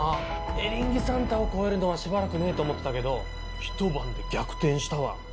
「エリンギサンタ」を超えるのはしばらくねえと思ってたけどひと晩で逆転したわ。